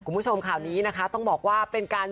คุณผู้ชมข่าวนี้นะคะต้องบอกว่าเป็นการ